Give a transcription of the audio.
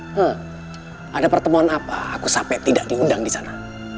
hmm ada pertemuan apa aku sampai tidak diundang disana